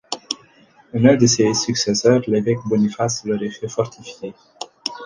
L'un de ses successeurs, l'évêque Boniface l'aurait fait fortifier.